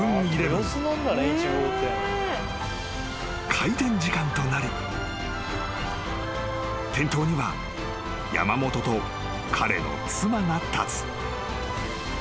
［開店時間となり店頭には山本と彼の妻が立つ］